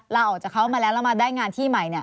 ลาออกจากเขามาแล้วแล้วมาได้งานที่ใหม่